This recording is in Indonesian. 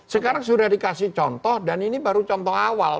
sekarang sudah dikasih contoh dan ini baru contoh awal